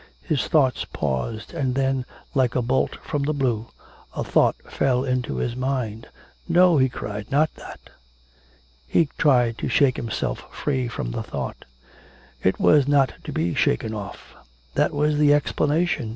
His thoughts paused, and then, like a bolt from the blue, a thought fell into his mind. 'No,' he cried, 'not that.' He tried to shake himself free from the thought; it was not to be shaken off. That was the explanation.